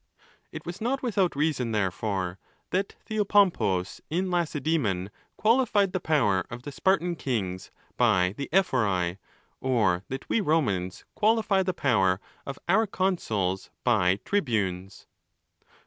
It was not without reason, therefore, that Theopompus in Lacedzemon qualified the power of the Spartan kings by the ephori, or that we Romans qualify the power of our consuls by tribunes.